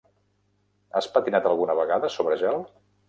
Has patinat alguna vegada sobre gel?